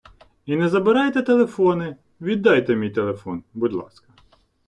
І не забирайте телефони, віддайте мій телефон, будь ласка.